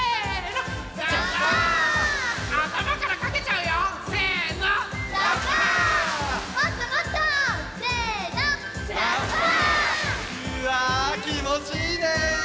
うわきもちいいね！